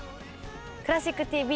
「クラシックＴＶ」